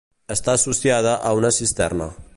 Està associada a una cisterna.